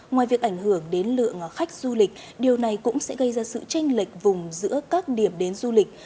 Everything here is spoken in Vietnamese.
ngoài việc ảnh hưởng đến lượng khách du lịch điều này cũng sẽ gây ra sự tranh lệch vùng giữa các điểm đến du lịch